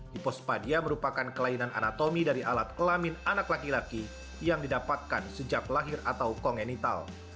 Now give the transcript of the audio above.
hipospadia merupakan kelainan anatomi dari alat kelamin anak laki laki yang didapatkan sejak lahir atau kongenital